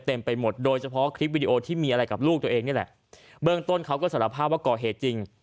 ไปหมดโดยเฉพาะคลิปวิดีโอที่มีอะไรกับลูกตัวเองนี่แหละเบื้องต้นเขาก็สารภาพว่าก่อเหตุจริง